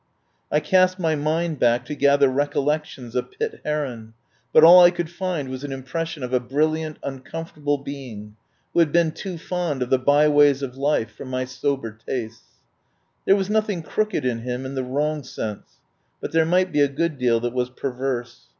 I cast my mind back to gather recollections of Pitt Heron, but all I could find was an impression of a brilliant uncom fortable being, who had been too fond of the byways of life for my sober tastes. There was nothing crooked in him in the wrong sense, but there might be a good deal that was per verse.